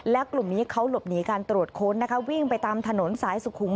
และกลุ่มนี้เขาหลบหนีการตรวจค้นนะคะวิ่งไปตามถนนสายสุขุม